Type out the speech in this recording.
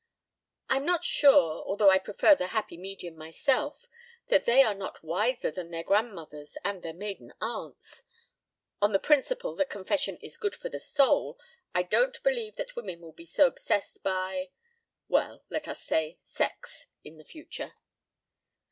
I'm not sure although I prefer the happy medium myself that they are not wiser than their grandmothers and their maiden aunts. On the principle that confession is good for the soul, I don't believe that women will be so obsessed by well, let us say, sex, in the future."